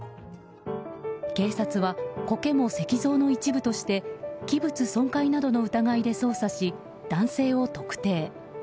警察はコケも石像の一部として器物損壊などの疑いで捜査し男性を特定。